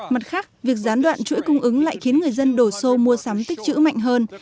mặt khác việc gián đoạn chuỗi cung ứng lại khiến người dân đổ xô mua sắm tích chữ mạnh hơn